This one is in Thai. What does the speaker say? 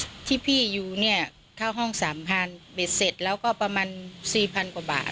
ที่พี่อยู่เนี่ยเข้าห้องสามพันเบ็ดเสร็จแล้วก็ประมาณสี่พันกว่าบาท